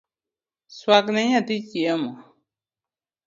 Swagne nyathi chiemo